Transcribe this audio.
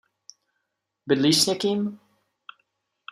Bydlíš s někým?